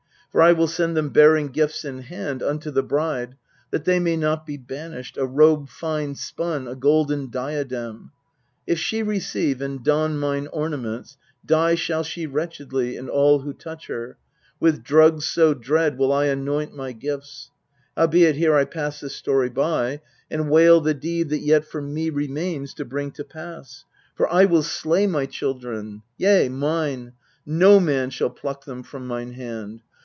For I will send them bearing gifts in hand Unto the bride, that they may not be banished, A robe fine spun, a golden diadem. If she receive and don mine ornaments, Die shall she wretchedly, and all who touch her, With drugs so dread will I anoint my gifts. Ilowbeit here I pass this story by, And wail the deed that yet for me remains To bring to pass; for I will slay my children, Yea, mine: no man shall pluck them from mine hand.